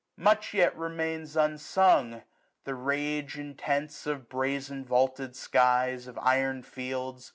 Much yet remains unsung : the rage intense Of brazen vaulted skies, of iron fields, AA?